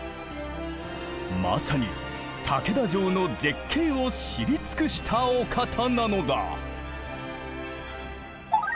まさに竹田城の絶景を知り尽くしたお方なのだ。